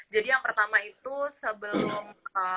yang pertama itu sebelum